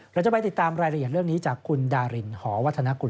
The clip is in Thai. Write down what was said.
เราจะไปติดตามรายละเอียดเรื่องนี้จากคุณดารินหอวัฒนกุล